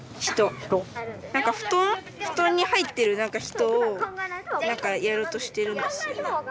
何か布団布団に入ってる何か人を何かやろうとしてるんですよね。